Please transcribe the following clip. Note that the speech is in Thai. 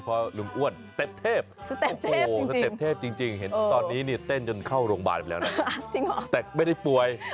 แป๊บตราสีดำนังนิดหน่อย